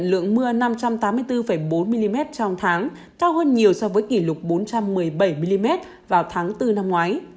lượng mưa năm trăm tám mươi bốn bốn mm trong tháng cao hơn nhiều so với kỷ lục bốn trăm một mươi bảy mm vào tháng bốn năm ngoái